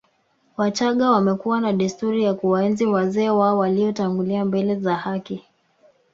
Wachaga wamekuwa na desturi ya kuwaenzi wazee wao waliotangulia mbele za haki